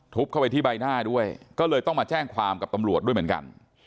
เข้าไปที่ใบหน้าด้วยก็เลยต้องมาแจ้งความกับตำรวจด้วยเหมือนกัน